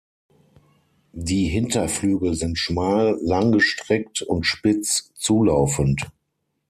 Die Hinterflügel sind schmal, langgestreckt und spitz zulaufend.